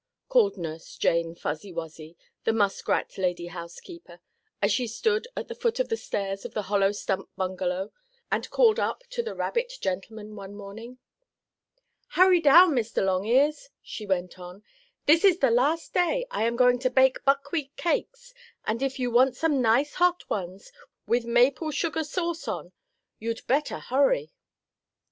called Nurse Jane Fuzzy Wuzzy, the muskrat lady housekeeper, as she stood at the foot of the stairs of the hollow stump bungalow and called up to the rabbit gentleman one morning. "Hurry down, Mr. Longears," she went on. "This is the last day I am going to bake buckwheat cakes, and if you want some nice hot ones, with maple sugar sauce on, you'd better hurry."